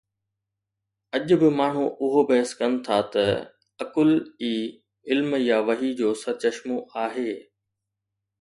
اڄ به ماڻهو اهو بحث ڪن ٿا ته عقل ئي علم يا وحي جو سرچشمو آهي.